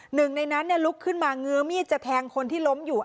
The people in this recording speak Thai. หนึ่งในนั้นลุกขึ้นมาเงื้อมีดจะแทงคนที่ล้มอยู่